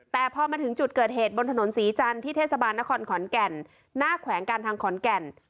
แต่พอมาถึงจุดเกิดเหตุบนถนนศรีจันทร์ที่เทศบาลนครขอนแก่นหน้าแขวงการทางขอนแก่น